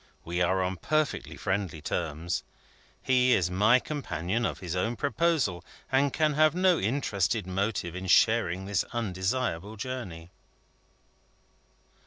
We are on perfectly friendly terms; he is my companion of his own proposal, and can have no interested motive in sharing this undesirable journey."